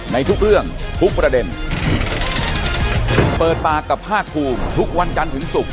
ในทุกเรื่องทุกประเด็นเปิดปากกับภาคภูมิทุกวันจันทร์ถึงศุกร์